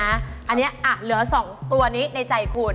อันนี้เหลือ๒ตัวนี้ในใจคุณ